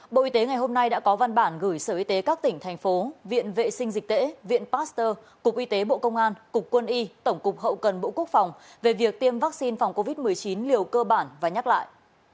bộ y tế ngày hôm nay đã có văn bản gửi sở y tế các tỉnh thành phố viện vệ sinh dịch tễ viện pasteur cục y tế bộ công an cục quân y tổng cục hậu cần bộ quốc phòng về việc tiêm vaccine phòng covid một mươi chín liều cơ bản và nhắc lại